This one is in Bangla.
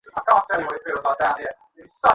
ধানা, তুই বাড়ি যা।